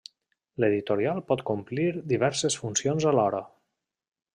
L'editorial pot complir diverses funcions alhora.